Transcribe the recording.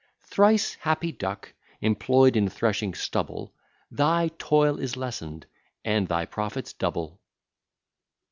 Thrice happy Duck, employ'd in threshing stubble, Thy toil is lessen'd, and thy profits double.